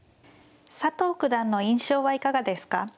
佐藤九段の印象はいかがですか。